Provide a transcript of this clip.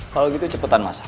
kalau gitu cepetan masak